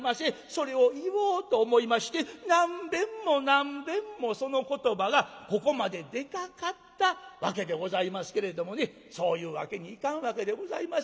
それを言おうと思いまして何べんも何べんもその言葉がここまで出かかったわけでございますけれどもねそういうわけにいかんわけでございますよね。